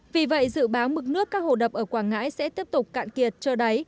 vì vậy dự báo mực nước các hồ đập ở quảng ngãi sẽ tiếp tục cạn kiệt trơ đáy